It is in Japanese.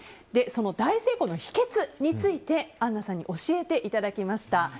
その大成功の秘訣について杏奈さんに教えていただきました。